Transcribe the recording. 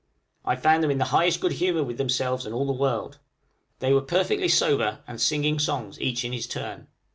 I found them in the highest good humor with themselves and all the world. They were perfectly sober, and singing songs, each in his turn.